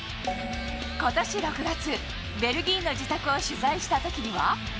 ことし６月、ベルギーの自宅を取材したときには。